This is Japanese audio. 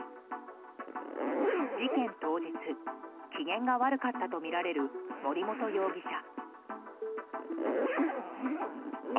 事件当日機嫌が悪かったとみられる森本容疑者。